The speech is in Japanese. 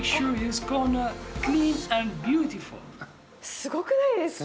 すごくないですか？